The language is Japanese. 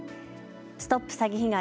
ＳＴＯＰ詐欺被害！